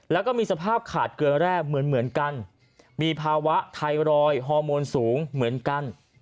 แล้วก็มีสภาพขาดเกลือแรกเหมือนกันมีภาวะไทรอยด์ฮอร์โมนสูงเหมือนกัน